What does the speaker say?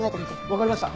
わかりました。